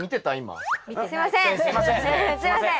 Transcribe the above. すいません！